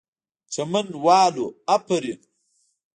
چمن والو آفرین!!